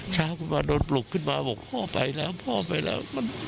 ชาวคุณมาโดนปลุกขึ้นมาพ่อไปแล้วพ่อไปแล้ว